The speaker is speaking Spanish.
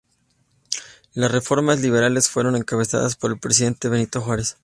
Las reformas liberales fueron encabezadas por el presidente Benito Juárez.